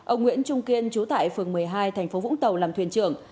ông nguyễn trung kiên trú tại phường một mươi hai tp vũng tàu làm thuyền trưởng